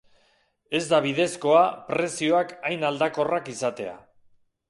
Ez da bidezkoa prezioak hain aldakorrak izatea.